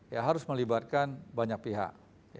ya harus melibatkan banyak pihak